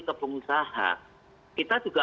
ke pengusaha kita juga